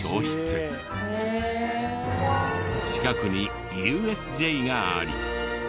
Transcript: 近くにＵＳＪがあり。